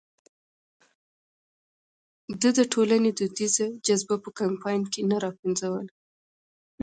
ده د ټولنې دودیزه جذبه په کمپاین کې را نه پنځوله.